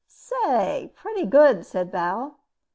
"Say, pretty good," said Bal.